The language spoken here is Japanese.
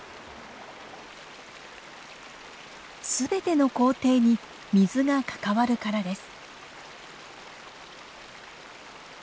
すべての工程に水が関わるからです。